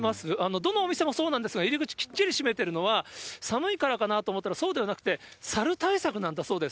どのお店もそうなんですが、入り口、きっちり閉めてるのは、寒いからかなと思ったんですが、サル対策なんだそうです。